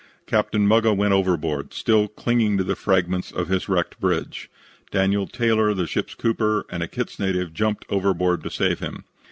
"Captain Muggah went overboard, still clinging to the fragments of his wrecked bridge. Daniel Taylor, the ship's cooper, and a Kitts native jumped overboard to save him.